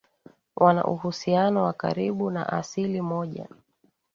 wana uhusiano wa karibu na asili moja